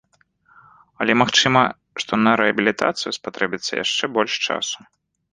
Але магчыма, што на рэабілітацыю спатрэбіцца яшчэ больш часу.